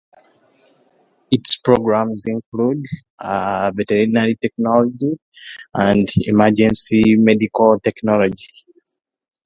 Its programs include Veterinary Technology and Emergency Medical Technology.